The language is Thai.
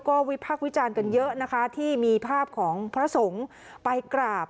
ก็วิพักวิจาลกันเยอะนะคะที่มีภาพของพระสงฮ์ไปก